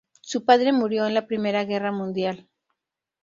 Su padre murió en la Primera Guerra Mundial.